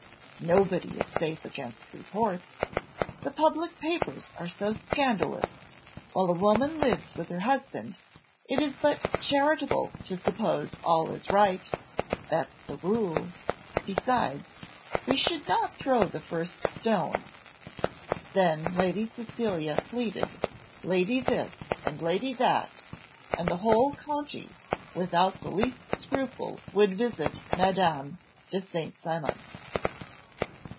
Nobody is safe against reports the public papers are so scandalous! While a woman lives with her husband, it is but charitable to suppose all is right. That's the rule. Besides, we should not throw the first stone." Then Lady Cecilia pleaded, lady this and lady that, and the whole county, without the least scruple would visit Madame de St. Cymon.